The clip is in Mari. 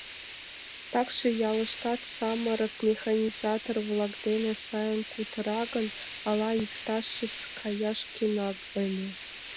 Такше ялыштат самырык механизатор-влак дене сайын кутыра гын, ала иктажше каяш кӧна ыле.